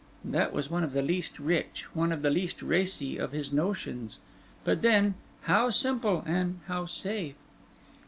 That was one of the least rich, one of the least racy, of his notions; but then, how simple! and how safe!"